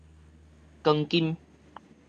光金